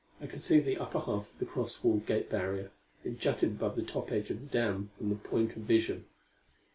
I could see the upper half of the cross wall gate barrier. It jutted above the top edge of the dam from the point of vision.